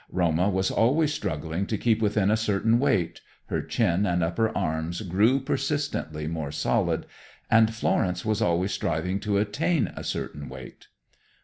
Roma was always struggling to keep within a certain weight her chin and upper arms grew persistently more solid and Florence was always striving to attain a certain weight.